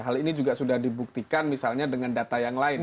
hal ini juga sudah dibuktikan misalnya dengan data yang lain